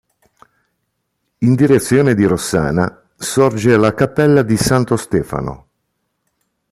In direzione di Rossana sorge la cappella di Santo Stefano.